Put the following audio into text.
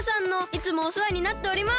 いつもおせわになっております。